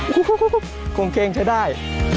โอ้โหคงเครงจะได้